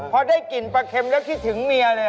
พอได้กลิ่นปลาเค็มแล้วคิดถึงเมียเลย